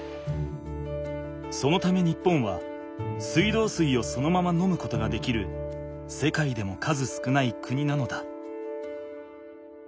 そのため日本は水道水をそのまま飲むことができる世界でも数少ない国なのだ。